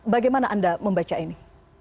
bagaimana anda membaca ini